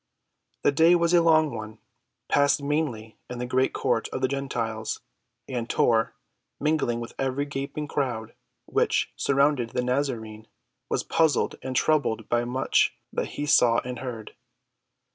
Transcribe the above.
The day was a long one, passed mainly in the great Court of the Gentiles, and Tor, mingling with every gaping crowd which surrounded the Nazarene, was puzzled and troubled by much that he saw and heard.